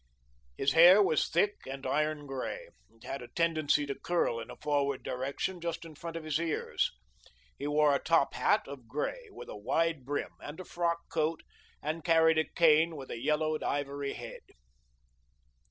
His hair was thick and iron grey, and had a tendency to curl in a forward direction just in front of his ears. He wore a top hat of grey, with a wide brim, and a frock coat, and carried a cane with a yellowed ivory head.